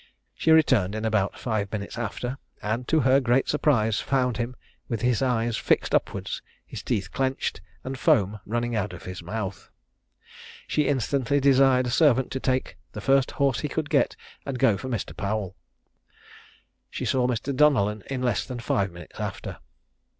She returned in about five minutes after, and to her great surprise found him with his eyes fixed upwards, his teeth clenched, and foam running out of his mouth. She instantly desired a servant to take the first horse he could get and go for Mr. Powell. She saw Mr. Donellan in less than five minutes after.